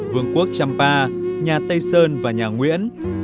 vương quốc champa nhà tây sơn và nhà nguyễn